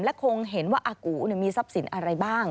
คงเห็นว่าอากูมีทรัพย์สินอะไรบ้าง